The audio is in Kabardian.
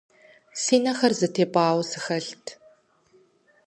Си нэхэр зэтепӀауэ сыхэлът.